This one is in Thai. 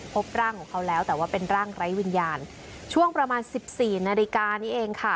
พบร่างของเขาแล้วแต่ว่าเป็นร่างไร้วิญญาณช่วงประมาณสิบสี่นาฬิกานี้เองค่ะ